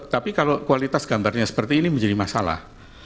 tapi kalau kualitas gambarnya seperti ini menjadi masalah